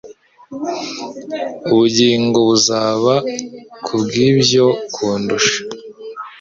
Ubugingo buzaba kubwibyo kundusha